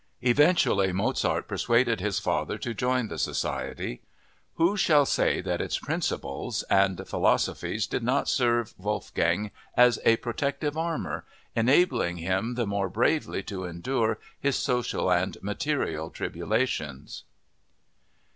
Eventually Mozart persuaded his father to join the society. Who shall say that its principles and philosophies did not serve Wolfgang as a protective armor, enabling him the more bravely to endure his social and material tribulations?